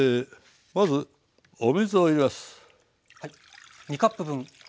まずお水を入れます。